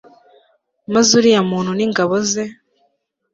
maze uriya muntu n'ingabo ze